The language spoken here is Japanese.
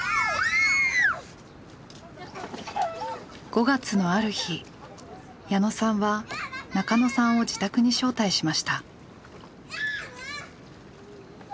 ５月のある日矢野さんは中野さんを自宅に招待しました。